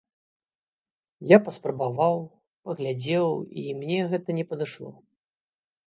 Я паспрабаваў, паглядзеў, і мне гэта не падышло.